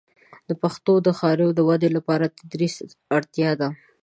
د پښتو د ښاریو د ودې لپاره د تدریس اړتیا ده.